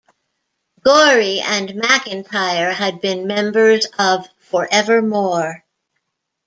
Gorrie and McIntyre had been members of Forever More.